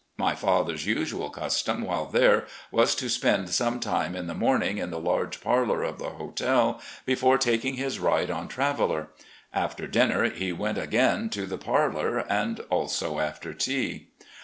My father's usual custom while there was to spend some time in the morning in the laige parlour of the hotel, before taking his ride on Traveller. After dinner he went again to the parlour, and also after tea.